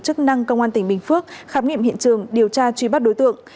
chức năng công an tỉnh bình phước khám nghiệm hiện trường điều tra truy bắt đối tượng